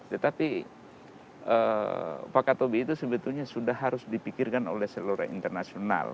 tetapi pakatobi itu sebetulnya sudah harus dipikirkan oleh seluruh internasional